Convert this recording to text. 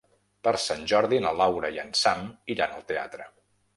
Per Sant Jordi na Laura i en Sam iran al teatre.